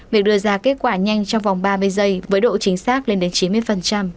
việc đưa ra kết quả nhanh trong vòng ba mươi giây với độ chính xác lên đến chín mươi